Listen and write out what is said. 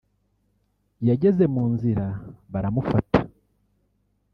yageze mu nzira baramufata